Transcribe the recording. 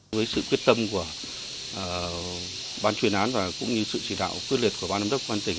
với sự quyết tâm của ban chuyên án và cũng như sự chỉ đạo quyết liệt của ban giám đốc quan tỉnh